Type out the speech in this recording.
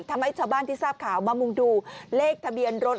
ทำให้ชาวบ้านที่ทราบข่าวมามุ่งดูเลขทะเบียนรถ